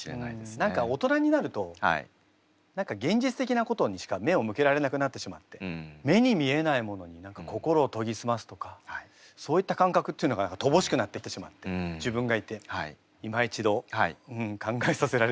何か大人になると現実的なことにしか目を向けられなくなってしまって目に見えないものに心を研ぎ澄ますとかそういった感覚っていうのが乏しくなってきてしまった自分がいていま一度考えさせられた。